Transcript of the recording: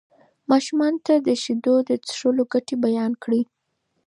ماشومانو ته د شیدو د څښلو ګټې بیان کړئ.